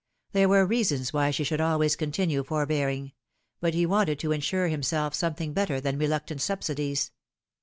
There were reasons why she should always continue forbearing ; but he wanted to insure himself something better than reluctant subsidies.